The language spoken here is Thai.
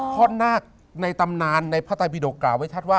เพราะหน้าในตำนานในพระไตยปิดกล่าวให้ชัดว่า